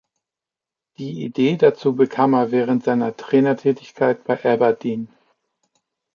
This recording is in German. Die Idee dazu bekam er während seiner Trainertätigkeit bei Aberdeen.